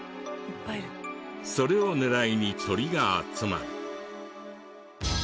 それを狙いに鳥が集まる。